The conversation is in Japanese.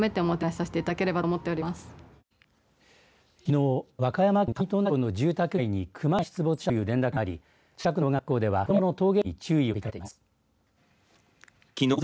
きのう、和歌山県上富田町の住宅街にクマが出没したという連絡があり近くの小学校では子どもの登下校に注意を呼びかけています。